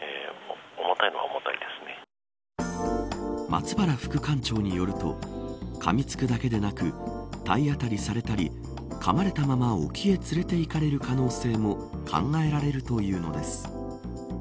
松原副館長によるとかみつくだけでなく体当たりされたりかまれたまま沖へ連れて行かれる可能性も考えられるというのです。